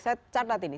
saya catat ini